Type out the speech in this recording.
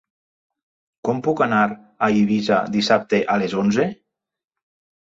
Com puc anar a Eivissa dissabte a les onze?